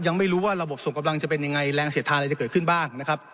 ยังไม่รู้ว่าระบบส่งกำลังจะเป็นยังไงแรงเสียดทานอะไรจะเกิดขึ้นบ้างนะครับ